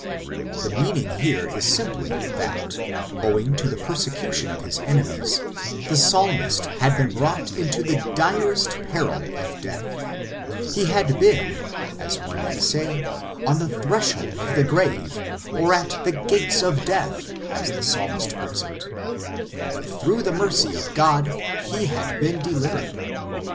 The meaning here simply is that, owing to the persecution of his enemies, the psalmist had been brought into the direst peril of death ; he had been, as one may say, on the threshold of the grave, or at " the gates of death," as the psalmist puts it ; but through the mercy of God he had been delivered.